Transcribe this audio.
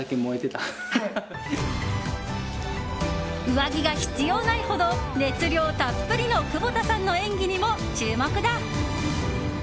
上着が必要ないほど熱量たっぷりの窪田さんの演技にも注目だ。